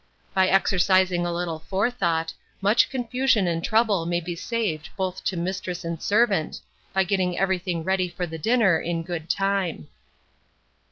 By exercising a little forethought, much confusion and trouble may be saved both to mistress and servant, by getting everything ready for the dinner in good time.